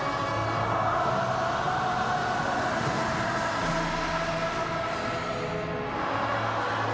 พระนึงจะให้เสียงทุกคนดังไปถึงภาพประวัติศาสตร์แทนความจงรักพักดีอีกครั้ง